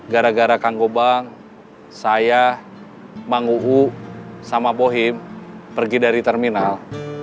gara gara kang gobang saya manguhu sama bohim pergi dari terminal